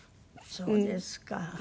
そうですか。